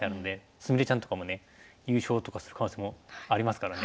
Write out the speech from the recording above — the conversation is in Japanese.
菫ちゃんとかもね優勝とかする可能性もありますからね。